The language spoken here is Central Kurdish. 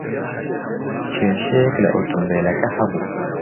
کێشەیەک لە ئۆتۆمۆبیلەکە ھەبوو؟